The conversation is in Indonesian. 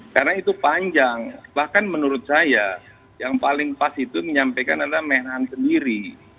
karena itu panjang bahkan menurut saya yang paling pas itu menyampaikan adalah menhan sendiri